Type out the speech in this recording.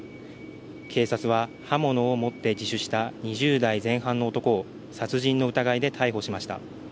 警察は刃物を持って自首した２０代前半の男を殺人の疑いで逮捕しました。